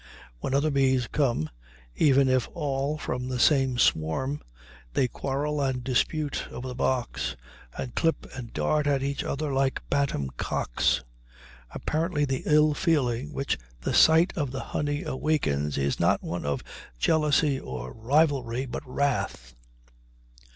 When other bees come, even if all from the same swarm, they quarrel and dispute over the box, and clip and dart at each other like bantam cocks. Apparently the ill feeling which the sight of the honey awakens is not one of jealousy or rivalry, but wrath.